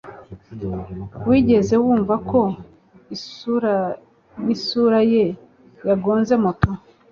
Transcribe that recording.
Wigeze wumva ko isuraisura ye yagonze moto